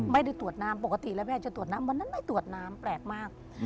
ไม่ได้ตรวจน้ำปกติแล้วแม่จะตรวจน้ำวันนั้นไม่ตรวจน้ำแปลกมาก